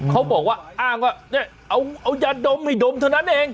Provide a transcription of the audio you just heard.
เขาบอกว่าเนี่ยเอายานดมให้ดมเท่านั้นเอง